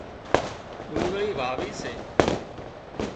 ڏوڳۯي واوي سي